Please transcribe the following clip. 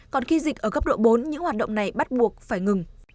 còn khi dịch ở cấp độ bốn những hoạt động này bắt buộc phải ngừng